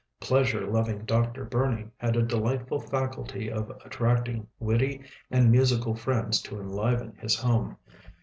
Pleasure loving Dr. Burney had a delightful faculty of attracting witty and musical friends to enliven his home.